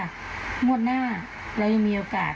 งวดหน้าเรายังมีโอกาส